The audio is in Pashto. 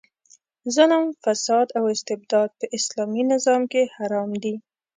ظلم، فساد او استبداد په اسلامي نظام کې حرام دي.